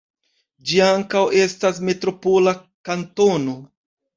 Ĝi ankaŭ estas metropola kantono.